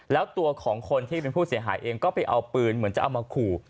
แล้วตัวของคนที่เป็นผู้เสียหายเองก็ไปเอาปืนเหมือนจะเอามาขู่